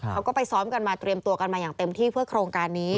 เขาก็ไปซ้อมกันมาเตรียมตัวกันมาอย่างเต็มที่เพื่อโครงการนี้